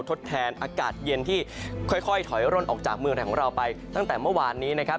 ทดแทนอากาศเย็นที่ค่อยถอยร่นออกจากเมืองไทยของเราไปตั้งแต่เมื่อวานนี้นะครับ